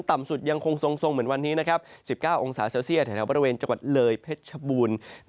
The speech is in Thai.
ต่ำสุดยังคงทรงเหมือนวันนี้นะครับ๑๙องศาเซลเซียสแถวบริเวณจังหวัดเลยเพชรชบูรณ์